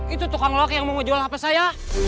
itu tukang loki yang mau jual hape saya